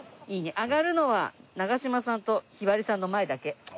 「アガるのは長嶋さんとひばりさんの前だけ」